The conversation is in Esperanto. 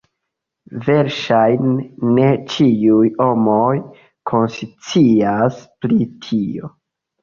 Verŝajne ne ĉiuj homoj konscias pri tio.